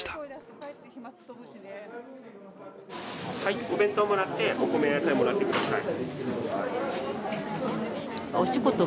はいお弁当もらってお米や野菜もらって下さい。